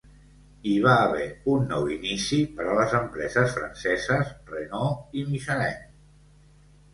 Hi va haver un nou inici per a les empreses franceses Renault i Michelin.